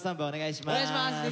お願いします